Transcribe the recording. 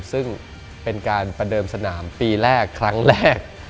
ซึ่งเป็นการประเดิมสนามปีแรกครั้งแรก